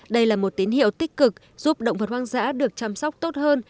đây là một tín hiệu tích cực giúp động vật hoang dã được chăm sóc tốt hơn